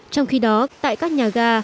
trong khi đó tại các nhà ga